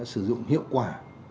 sử dụng hiệu quả